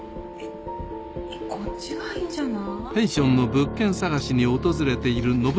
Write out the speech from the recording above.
こっちがいいんじゃない？